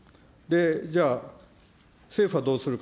じゃあ、政府はどうするか。